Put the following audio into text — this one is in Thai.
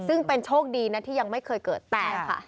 ซึ่งเป็นโชคดีนะที่ยังไม่เคยเกิดแต่ค่ะ